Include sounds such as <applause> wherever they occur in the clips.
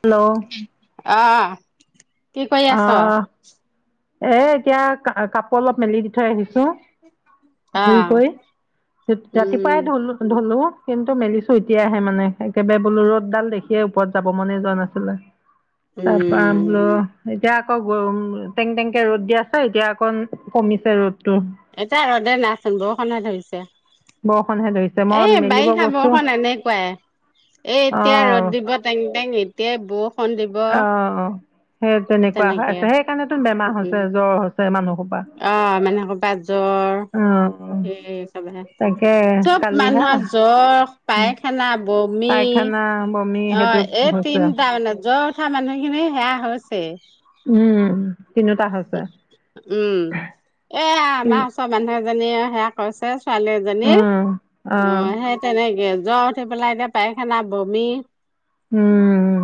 Hello আহ, কি কৰি আছ? অঁ এ, এতিয়া কা, কাপোৰ অলপ মেলি দি থৈ আহিছোঁ। ধুই অ', কৰি, উম, ৰাতিপুৱাই ধুলো, ধুলো। কিন্তু মেলিছো এতিয়াহে মানে, একেবাৰে বোলো ৰ'দডাল দেখিয়ে ওপৰত যাব মনে যোৱা নাছিলে। তাৰ পৰা উম, বোলো এতিয়া আকৌ টেং টেংকে ৰ'দ দিয়া আছে, এতিয়া অকণ কমিছে ৰ'দটো। এতিয়া ৰ'দে নাইচোন, বৰষুণে ধৰিছে। বৰষুণহে ধৰিছে মই এ, মেলিব বাৰিষা গৈছোঁ বৰষুণ এনেকুৱাই। এ এতিয়া অঁ ৰ'দ দিব টেং টেং এতিয়াই বৰষুণ দিব। অঁ সেই তেনেকুৱা হৈ তেনেকে আছে সেইকাৰণেতো বেমাৰ হৈছে উম জ্বৰ হৈছে মানুহসোপা আহ মানে আকৌ জ্বৰ অঁ সেই চব হে তাকে চব মানুহৰ কালিহে জ্বৰ পায়খানা বমি পায়খানা বমি সেইটো অ'। এই হৈছে তিনিটা মানে জ্বৰ উঠা মানুহখিনি সেয়া হৈছে উম তিনিওটা হৈছে উম, এয়া আমাৰ কি- ওচৰৰ মানুহ এজনীয়ে সেয়া কৈছে ছোৱালী এজনী উম অ' সেই তেনেকে জ্ব পেলাই, এতিয়া পায়খানা, বমি। উম।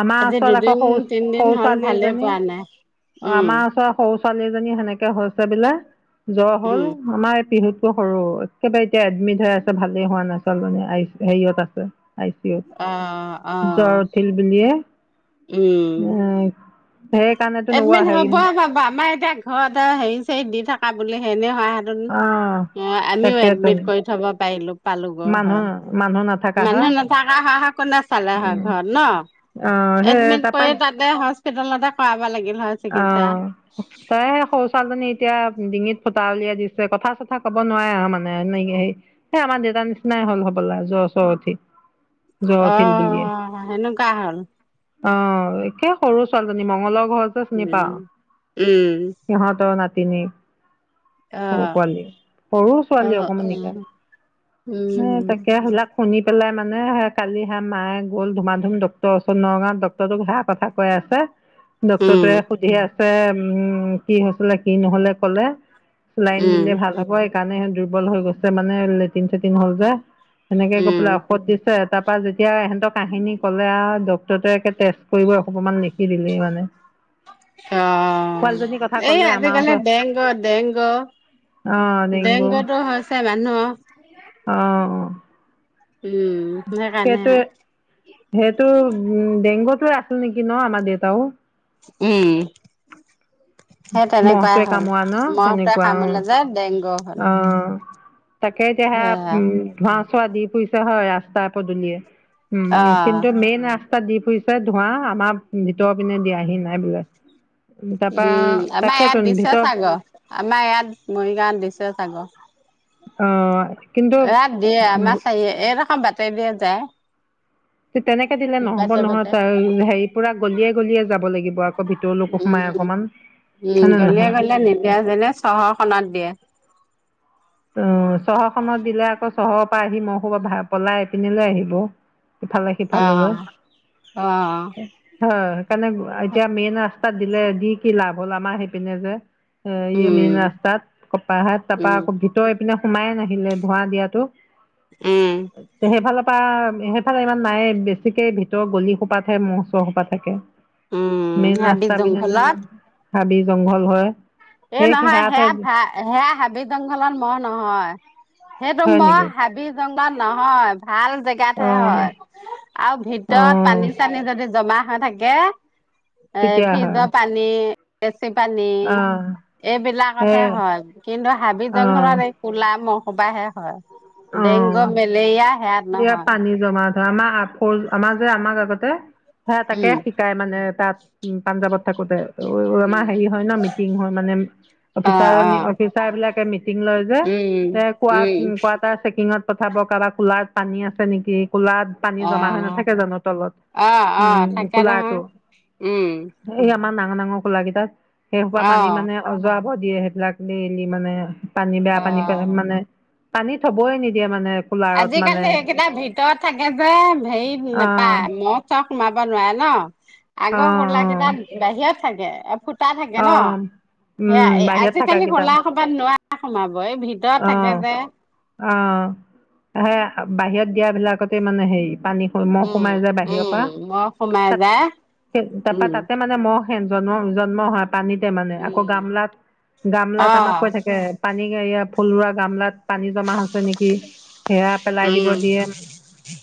আমাৰ আজি ওচৰত দুদিন আকৌ স, ৰু তিনদিন সৰু হ'ল ছোৱালী ভালে এজনী, পোৱা নাই উম, আমাৰ ওচৰত সৰু ছোৱালীজনী সেনেকে হৈছে বোলে, জ্বৰ হ'ল উম, আমাৰ এই সৰু, একেবাৰে এতিয়া এডমিট হৈ আছে, ভালেই হোৱা নাই মানে, হেৰিয়ত আছে আই চি ইউত, অ', জ্বৰ অ', উঠিল বুলিয়ে উম। সেইকাৰণেতো নোৱা এডমিট হ'বে হেৰি পাব <unintelligible> আমাৰ এতিয়া ঘৰত হেৰি চৰিত দি থাকা বুলি অ <unintelligible> আমিও তাকেতো এডমিট কৰি থ'ব পাৰিলো পালো গৈ মানুহ হয়। মানুহ নাথাকা হয় মানুহ নাথাকা হৈ কোনে চালে হয় উম। ঘৰত ন। অ' সেই এডমিট কৰি তাপাই তাতে হস্পিতালতে কৰা অ', তাই সেই সৰু ছালজনী এতিয়া ডিঙিত ফুটা উলিয়াই দিছে কথা চথা ক'ব নোৱাৰে আৰু মানে এনে হে এই আমাৰ দেউতাৰ নিচিনাই হ'ল হ'ল আৰু জ্বৰ চৰ উঠি। জ্বৰ উঠিল বুলিয়ে অ', সেনেকুৱা হ'ল। অ', একে সৰু ছোৱালীজনী মঙ্লৰ ঘৰ যে চিনি উম, পাও উম, সিহঁতৰ নাট তিনি সৰু অ'। পোৱালি সৰু ছোৱালী অ', অ', অকমাননিকা। উম, এ তাকে হেবিলাক শুনি পেলাই মানে কালি হা মায়ে গ'ল ধুমা ধুম ডক্টৰ ওচৰত নগাঁৱত ডক্টৰটোক হেয়া কথা কৈ আছে। টে উম, সুধি আছে উম কি হৈছিলে কি নহ'লে ক'লে। লাইন দিলে ভাল হ'ব সেই কাৰণে দুৰ্বল হৈ গৈছে মানে লেটিন চেটিন হ'ল যে। সেনেকে গৈ পেলাই উম, ঔষধ দিছে। তাৰ পৰা যেতিয়া ইহেঁতক কাহিনী ক'লে আৰু ডক্টৰটোৱে টেষ্ট কৰিব অকমান লিখি দিলেই মানে। অ', পোৱালীজনীৰ কথা এই ক'লে আমাৰ আজিকালি ওচৰত ডেংগ ডেংগ। অঁ ডেংগু ডেংগতো হৈছে মানুহৰ। অহ। উম, সেইকাৰণে সেইটোৱে সেইটো উম ডেংগুত আছিল নেকি ন আমাৰ দেউতাও। উম। সেই তেনেকুৱাই মহটোৱে হ'ল কামোৰা ন মহটোৱে তেনেকুৱা অ কামুৰিলে যে ডেংগ হ'ল। অ তাকে এতিয়া সেয়া ধোৱা ধোৱা দি ফুৰিছে হয় ৰাস্তা পদূলিয়ে উম। অ', কিন্তু মেইন ৰাস্তা দি ফুই চাই ধোৱা আমাৰ ভিতৰৰ পিনে দিয়াহি নাই বোলে। তাৰপা উম, আমাৰ তাকেতো ইয়াত দিছে ভিতৰ ছাগৈৰ আমাৰ ইয়াত মৰিগাঁত দিছে ছাগৈ। অ'। কিন্তু ৰাাত দিয়ে আমাৰ আহ এই দখৰ বাটে দিয়ে যায়। তেনেকে দিলে নহ'ব বাটে, নহয় বাটে ত হেৰি পুৰা গলিয়ে গলিয়ে যাব লাগিব আকৌ ভিতৰলৈকো সম নাই উম, অকমান উম, হয়নে গলেয়ে নহয় গলিয়ে নিদিয়ে পেলে চহৰখনত দিয়ে। অ', চহৰখনত দিলে আকৌ চহৰৰ পৰা আহি মই খোপা পলাই আহ পিনিলৈ আহিব। ইফালে সিফালে হয়। অ', অ', সেইকাৰণে এতিয়া মেইন ৰাস্তাত দিলে দি কি লাভ হ'ল আমাৰ সেইপিনে যে। এ এই মেইন উম, ৰাস্তাত কপাহাৰাত তাৰপা উম, আকৌ ভিতৰ এইপিনে সোমাইে নাহিলে ধোঁৱা দিয়াতো। উম, সেইফালৰ পৰা সেইফালে ইমান নাই বেছিকে ভিতৰৰ গলি সোপা থাকে মহ চহ সোপা থাকে। উম, মেইন হাবি ৰাস্তা পিনে জংঘলত হাবি জংঘল হয়। এই সেই নহয় সেয়া হে ঠাইত হ হেয়া হাবি জংঘলত মহ নহয়। সেইটো হয় মই নেকি হাবি জংললত নহয়। ভাল জেগাতহে অঁ হয় আৰু ভিতৰত অঁ পানী চানী যদি জমা থাকে এ তেতিয়া হয় ফিজৰ পানী এচি পানী। অঁ সেই এইবিলাকতহে হয়। কিন্তু হাবি অ জংঘলত এই কুলা মহসুপাহে হয়। ডেংগু মেলেৰিয়া সেয়াত এ নহয় পানী জমা ধৰা আমাৰ আমাৰ যে আমাক আগতে হে তাকে উম, শিকাই মানে তাত উম পাঞ্জাৱত থাকোতে। আমাৰ উম, হেৰি হয় ন মিটিং হয় মানে। অ', অফিচাৰনী, অ', অফিচাৰবিলাকে মিটিং লয় যে, উম, উম। কোৱা-কোৱাটাৰ চেকিঙত। পঠাব কাৰোবাৰ কোলাৰত পানী আছে নেকি? কোলাৰত পানী জমা হৈ অ', নাথাকে জানো তলত অ', অ', উম থাকে কোলাৰটো। নহয়, উম, এই আমাৰ নাম ডাঙৰ ডাঙৰ কোলাৰ কেইটাত সেই সোপা পানী অ', মানে অজৰাব দিয়ে। সেইবিলাক ডেইলী মানে পানী বেয়া পানী পানী অ'। মানে পানী থ'বই নিদিয়ে মানে কোলাৰত। ধেৎতেৰি সেইকেইটা ভিতৰত থাকে যে হেৰি অঁ নাপায় মহ চহ সোমাব নোৱাৰে ন? আগৰ অঁ অঁ খলাকেইটা বাহিৰত থাকে ফুটা থাকে ন? অঁ সেয়া উম বাহিৰত আজিকালি থাকাকেইটা কোলা সোপাত নোৱাৰে সোমাব। এই ভিতৰত থাকে যে। অ', হেয়া বাহিৰত দিয়া বিলাকতে মানে হেৰি পানীত মহ উম, সোমাই যে বাহিৰৰ উম, পৰা। মহ সোমাই যায়, উম। তাতে-তাতে মানে মহ জন্ম-জন্ম হয়। পানীতেই মানে আকৌ উম। গামলাত গামলাত আমাক অ', কৈ থাকে পানী গা ফুল ৰোৱা গামলাত। পানী জমা হৈছে নেকি? সেয়া পেলাই দিব উম, দিয়ে।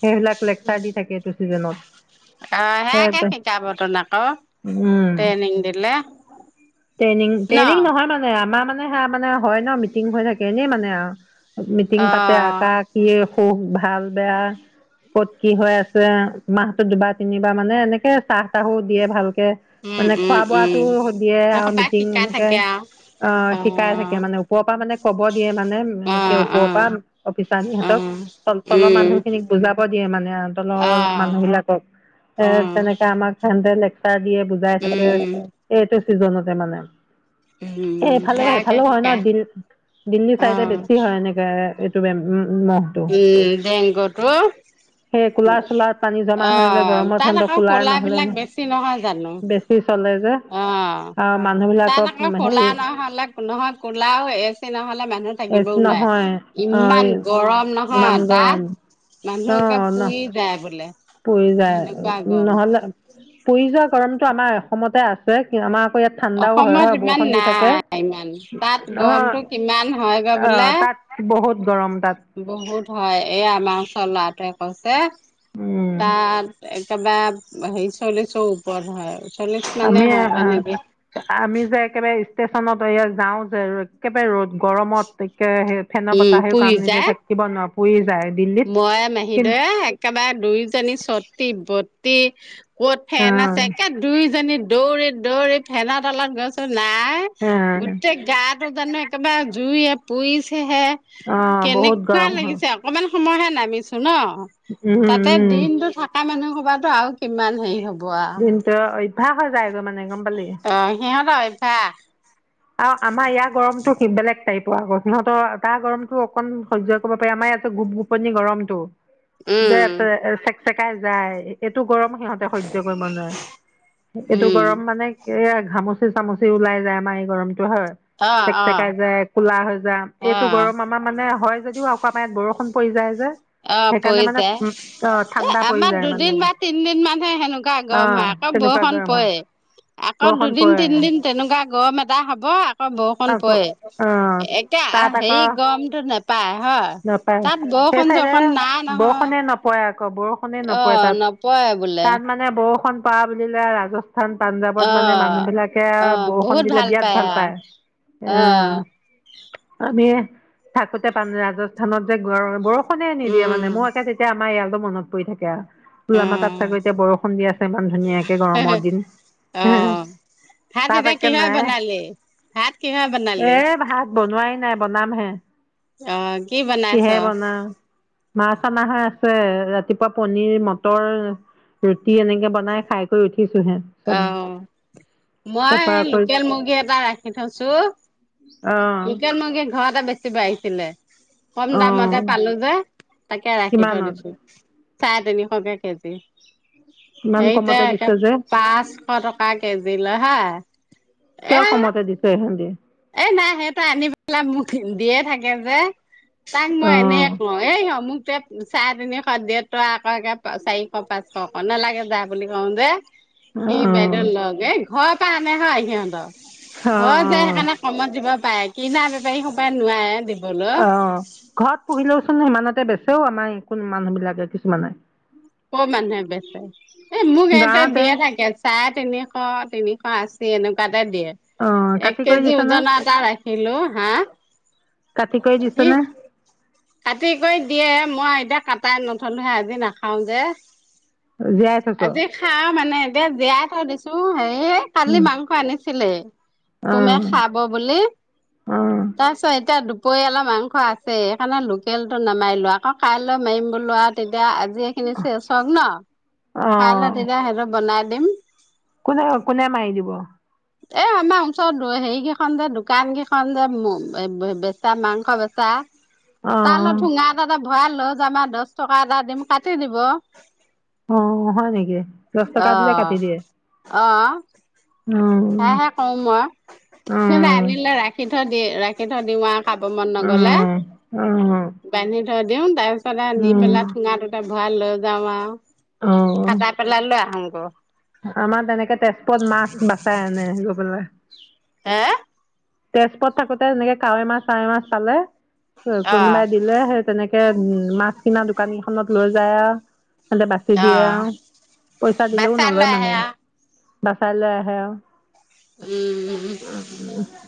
সেইবিলাক লেকচাৰ দি থাকে এইটো ছিজনত। অ', সেইয়াকে শিকাব তোন আকৌ উম ট্ৰেইনিং দিলে। ট্ৰেইনিং ন? ট্ৰেইনিং নহয় মানে আমাৰ মানে সেয়া মানে হয় ন? মিটিং হয় থাকে এনেই মানে আৰু মিটিং পাতে অ'। আকা আকি সুখ ভাল বেয়া। ক'ত কি হৈ আছে মাহতো দুবাৰ তিনিবাৰ মানে এনেকে। চাহ তাহো দিয়ে ভাল উম মানে উম খোৱা বোৱাটো উম দিয়ে আৰু কাবাক মিটিং শিকাই এনেকে। থাকে আও অ', শিকাই থাকে মানে ওপৰৰ পৰা মানে ক'ব দিয়ে মানে অ অ অ ওপৰৰ পৰা অ অফিচাৰনীহঁতক। ত তলৰ উম মানুহখিনিক বুজাব দিয়ে মানে তলৰ অ মানুহবিলাকক। এ অ তেনেকে আমাক হেহেতে লেকচাৰ দিয়ে বুজাই উম থাকে এইটো ছিজনতে মানে। এ উম এইফালে সেয়াকে সেইফালেও হয় ন? শিকাই দিল দিল্লী অ চাইডে বেছি হয় এনেকে। উম। উম, ডেংগুটো। সেই কুলাৰ চুলাৰত পানী জমা হয় যে অ', গৰমৰ তাত ঠাণ্ডাত আকৌ কুলাৰ নহ'লে কোলাৰবিলাক বেছি নহয় জানো? অ'। অ', মানুহবিলাক তাত আকৌ কোলাৰ নহ'লে নহয় কোলাৰ আৰু এ চি নহ'লে মানুহ এ থাকিবও নোৱাৰে। নহয় ইমান অ ইমান গৰম ইমান নহয় গৰম তাত! অ মানুহ একেবাৰে ন পুৰি যায় বোলে। পুৰি যায় সেনেকুৱা গৰম। নহ'লে পুৰি যোৱা গৰমটো আমাৰ অসমতে আছে। আমাৰ ইয়াত ঠাণ্ডাও হয় অসমত হয় ইমান বৰষুৃণ দি থাকে। নাই ইমান তাত অ', গৰমটো কিমান হয়গৈ বোলে অ', তাত বহুত গৰম তাত। বহুত হয় এই আমাৰ ওচৰৰ ল'ৰাতোৱে কৈছে উম তাত একেবাৰে সেই চল্লিশৰ ওপৰত হয়। চল্লিশ আমি মানে হৈগে আহ, নেকি? আমি যে একেবাৰে ষ্টেচনত যাওঁ যে একেবাৰে গৰমত, একেৰাহে ফেনৰ উম বতাহেও কাম পুৰি নিদিয়ে যায় থাকিব নোৱাৰোঁ পুৰি যায় দিল্লীত মই কিন্তু মাহীদেউয়ে একেবাৰে দুইজনী চটী বটি ক'ত ফেন আছে একে দুইজনী দৌৰি দৌৰি ফেনৰ তলত গৈছো নাই গোটেই গা টো জানো একেবাৰে জুইয়ে পুৰিছেহে। অ বহুত কেনেকুৱা গৰম হয় লাগিছে অকমান সময়হে নামিছো ন উম তাতে উম দিনতটো থকা মানুহ সোপাতো আৰু কিমান হেৰি হ'ব আৰু দিনটো অভ্যাস হৈ যায়গৈ মানে গম পালি অ সিহঁতৰ অভ্যাস অ আমাৰ ইয়াৰ গৰমতটো বেলেগ চাৰি পোৱা আগত সিহঁতৰ তাৰ গৰমটো অকন সহ্য কৰিব পাৰি আমাৰ ইয়াত গোপ গোপনি গৰমটো যে উম চেকচেকাই যায় এটিয়াটো গৰম সিহঁতে সহ্য কৰিব নোৱাৰে এইটো উম গৰম মানে এয়া ঘামুচি চামুচি ওলাই যায় আমাৰ এই গৰমটো <unintelligible> অ অ চেক-চেকাই যায় ক'লা হৈ যাম, অ এইটো গৰম আমাৰ মানে হয় যদিও অকমায়ত বৰষুণ পৰি যায় যে। অ', সেইকাৰণে পৰি মানে যায়। অঁ এ ঠাণ্ডা পৰি আমাৰ যায় মানে দুদিন বা তিনদিন মানহে সেনেকুৱা গৰম অঁ হয় আ ক্ তেনেকুৱা বৰষুণ গৰম হয় পৰে, আকৌ বৰষুণ দুদিন পৰে তিনদিন তেনেকুৱা গৰম এটা হব ব আকৌ বৰষুণ আকৌ পৰে। অঁ একে তাত হেৰি আকৌ গৰমটো নেপায় হয় নাপায় তাত সেই বৰষুৃণ চৰষুণ চাইডে নাই নহয়। বৰষুণে নপৰে আকৌ বৰষুণে নপৰে অহ তাত নপৰে বোলে। তাত মানে বৰষুণ পৰা বুলিলে ৰাজস্থান পাঞ্জাৱত মানে মানুহ অ', বিলাকে বৰষুণ দিলে বিৰাট ভাল পায়। অ', উম আমিয়ে থাকোতে পান ৰাজস্থানত যে বৰ বৰষুণে নিদিয়ে উম, মানে। মই আকৌ তেতিয়া আমাৰ এয়া লৈ মনত পৰি থাকে আৰু। বোলো আমাৰ তাত উম, চাগৈ এতিয়া বৰষুণ দি আছে ইমান ধুনীয়াকে গৰমৰ দিন অ', <inaudible> ভাত তাপ এতিয়া একে কিহৰ নায়ে। এ বনালি? ভাত কিহৰ বনালি? ভাত বনোৱাই নাই বনাম হে। অ', কি বনাইছ? কিহেৰে বনা, মাছ আমাৰ ঘৰত আছে ৰাত ৰাতিপুৱা পনীৰ, মটৰ, ৰুটি এনেকে বনাই খাই কৰি উঠ অ', মই তাৰপা আকৌ লোকেল মুৰ্গী এট এটা ৰাখি থৈছো, অ লোকেল মুৰ্গী ঘৰতে বেচিব আহিছিলে। কম অ দামতে পালো যে, তাকে ৰাখি থৈ কিমানত দিছো। চাৰে তিনিশকে কেজি। ইমান হেৰিতে কমতে একে দিছে যে পাঁচশ টকা কেজি লয় হা। কিয় কমতে দিছে এহেদি?। এই নাই সিহঁতে আনি পেলাই মোক দিয়ে থাকে যে। তাক মই এনেয়ে অ কওঁ, এই অমুক তোৱে চাৰে তিনিশত দিয়ে তই আকৌ একে প-চাৰিশ পাঁচশ ক, নালাগে যা বুলি কওঁ যে। সি বাইদেউ অ', লগ, হে ঘৰৰ পৰা আনে হা সিহঁতৰ, অ', ঘৰত যায় অ', সেইকাৰণে কমত দিব পাৰে, কিনা বেপাৰী সোপাই নোৱাৰে বেব্ অ', ঘৰত পুহিলেও চোন সিমানতে বেচে ঔ আমাৰ এ কোন মানুহ বিলাকে কিছুমানে। ক'ৰ মানুহে বেচে?। এই মোক ইহঁতে গাঁৱতে দিয়ে থাকে চায়ে তিনিশ, তিনিশ আশী এনেকুৱাত তে দিয়ে, অ', এক কাটি কৰি কেজি দিছ নে উজনৰ এটা ৰাখিলো হাঁ কাটি কৰি দিছ নে?। কাটি কৰি দিয়ে, মই এতিয়া কাটাই নথওঁ নহয় আজি নাখাও যে। জীয়াই থৈছ আজি খাঁও মানে এতিয়া জীয়াই থৈ দিছো, হেৰি এ কালি উম, মাংস আনিছিলেই, চুমে অ', খাব বুলি। অ', তাৰপিছত এতিয়া দুপ দুপৰিয়ালৈ মাংস আছেই, সেইকাৰণে লোকেলটো নামাৰিলো আকৌ কাইলৈ মাৰিম বোলো আৰু তেতিয়া এ আজি এইখিনি চেচ হওঁক ন, কাইলৈ তেতিয়া সিহঁতক বনাই দিম। কোনে-কোনে মাৰি দিব? এই আমাৰ ওচৰত দু-হেৰি কেইখন যে দোকান কেইখন যে <unintelligible> বেচা মাংস বেচা। তালৈ অ', ঠুঙা এটাতে ভৰাই লৈ যাম আৰু দশ টকা এটা দিম কাটি দিব। অ', অ', হয় নেকি দহ টকা দিলে কাটি দিয়ে অ'। উম, সেয়েহে কৰোঁ মই। সিহঁতে উম, আনিলে ৰাখি থৈ দি ৰাখি থৈ দিওঁ আৰু। খাব মন নগলে, উম, বান্ধি থৈ দিওঁ তাৰ পিছতে আও নি উম, উম, পেলাই ঠুঙাটোতে ভ ভৰাই লৈ যাওঁ আৰু। অ কাটাই পেলাই লৈ আহোগৈ আমাৰ তেনেকে তেজপুৰত মাছ নাচায় <unintelligible> হে তেজপুৰত থাকোতে এনেকে কাৱৈ মাছ চাৱৈ মাছ পালে অ', কোনোবাই দিলে সেই তেনেকে কে উ মাছ কিনা দোকান কেইখনত লৈ যায় আউ তানতে বাচি দিয়ে অ'। আউ পইচা দিলেও বাচ্ছা লৈ নলয় আহে মানে। আৰু বাচাই লৈ আহে আউ উম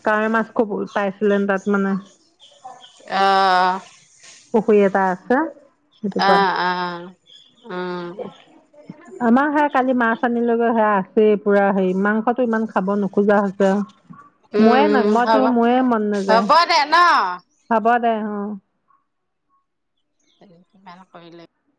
কাৱৈ মাছ খুবুল পাইছিলেন তাত মানে। <inaudible> অ পসুুৰ এটা আছো, সেইটোপা। <inaudible> অ', অ'। উম, আমাৰ সেয়া কালি মাছ আনিলোগে সেয়া। সি পুৰা হেৰি মাংসটো ইমান খাব নোখোজা হৈছে। উম, মোয়ে নাই উম, মইতো হ'ব মোয়ে মন নাযায়। হ'ব দে ন'। হব দে অ'। <unintelligible>